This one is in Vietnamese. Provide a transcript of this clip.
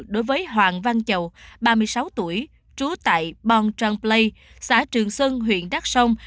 đối với hoàng văn chầu ba mươi sáu tuổi trú tại bon trang play xã trường sơn huyện đắk sông